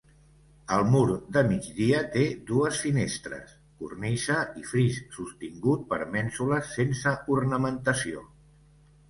El mur de migdia té dues finestres, cornisa i fris sostingut per mènsules sense ornamentació.